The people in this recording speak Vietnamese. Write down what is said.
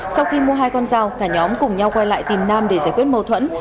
sau khi mua hai con dao cả nhóm cùng nhau quay lại tìm nam để giải quyết mâu thuẫn